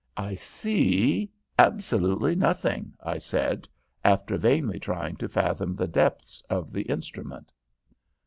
"'I see absolutely nothing,' I said, after vainly trying to fathom the depths of the instrument.